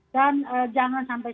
dan jangan sampai